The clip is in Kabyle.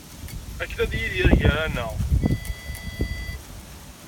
Akken ad yidir gar-aneɣ.